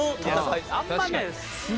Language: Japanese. あんまないです。